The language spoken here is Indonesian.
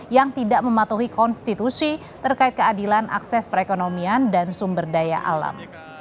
yang tidak mematuhi konstitusi terkait keadilan akses perekonomian dan sumber daya alam